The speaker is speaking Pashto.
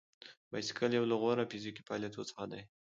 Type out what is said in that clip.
بایسکل یو له غوره فزیکي فعالیتونو څخه دی.